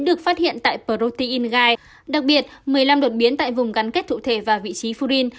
được phát hiện tại protein đặc biệt một mươi năm đột biến tại vùng gắn kết cụ thể và vị trí furin